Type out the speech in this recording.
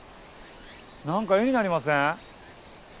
何か絵になりません？